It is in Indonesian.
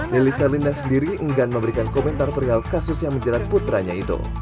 lili sarlina sendiri enggan memberikan komentar perihal kasus yang menjerat putranya itu